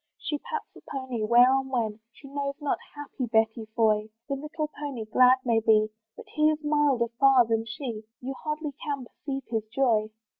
She pats the pony, where or when She knows not, happy Betty Foy! The little pony glad may be, But he is milder far than she, You hardly can perceive his joy.